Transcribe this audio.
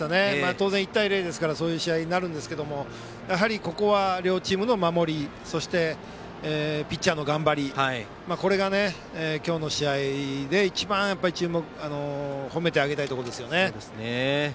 当然、１対０ですからそういう試合になるんですけどもここは両チームの守りそしてピッチャーの頑張りこれが今日の試合で一番褒めてあげたいところですね。